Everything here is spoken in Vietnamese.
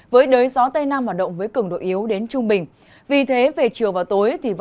với đới gió tây nam hoạt động với cứng độ yếu đến trung bình